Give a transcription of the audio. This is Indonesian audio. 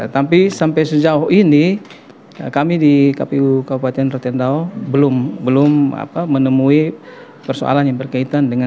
tapi sampai sejauh ini kami di kpu kabupaten rotendau belum menemui persoalan yang berkaitan dengan rotendau